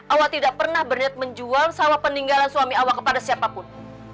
awa tidak pernah berniat menjual sawah peninggalan suami awak kepada siapapun